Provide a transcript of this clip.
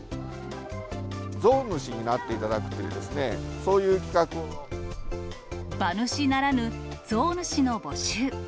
象主になっていただくという、馬主ならぬ象主の募集。